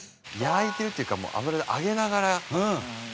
焼いてるっていうか油で揚げながらやるんですよ。